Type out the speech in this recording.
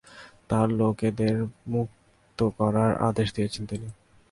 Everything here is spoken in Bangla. তার লোকেদের মুক্ত করার আদেশ দিয়েছেন তিনি।